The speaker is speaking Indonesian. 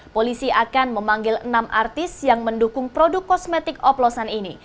polisi akan memanggil enam artis yang mendukung produk kosmetik oplosan ini